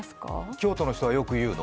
京都の人がよく言うの？